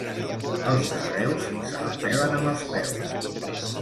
Els de Reus se la pelen amb els peus.